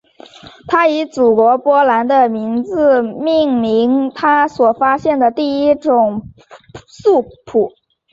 她以祖国波兰的名字命名她所发现的第一种元素钋。